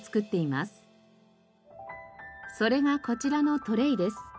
それがこちらのトレイです。